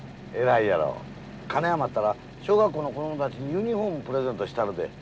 金余ったら小学校の子供たちにユニフォームプレゼントしたるで。